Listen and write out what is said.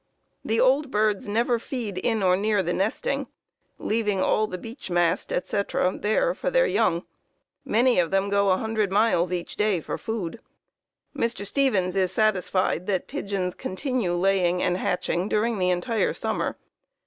The old birds never feed in or near the nesting, leaving all the beech mast, etc., there for their young. Many of them go 100 miles each day for food. Mr. Stevens is satisfied that pigeons continue laying and hatching during the entire summer.